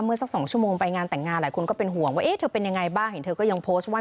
เมื่อสักสามชั่วโมงไปงานแต่งงานหลายคนก็เป็นห่วงว่า